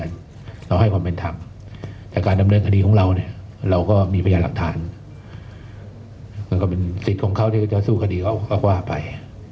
นั้นเราให้ความเป็นธรรมแต่การดำเนินคดีของเราเนี่ยเราก็มีประหยัดหลักฐานมันก็เป็นสิทธิ์ของเขาที่จะสู้คดีเขาก็ว่าไป